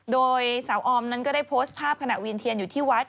โดยสาวออมนั้นก็ได้โพสต์ภาพขณะเวียนเทียนอยู่ที่วัด